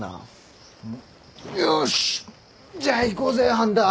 よしじゃあ行こうぜ半田。